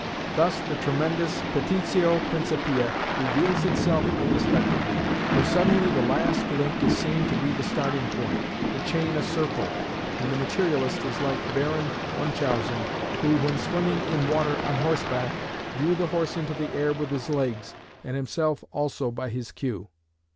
Thus the tremendous petitio principii reveals itself unexpectedly; for suddenly the last link is seen to be the starting point, the chain a circle, and the materialist is like Baron Münchausen who, when swimming in water on horseback, drew the horse into the air with his legs, and himself also by his cue.